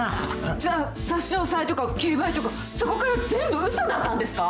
じゃあ差し押さえとか競売とかそこから全部嘘だったんですか！？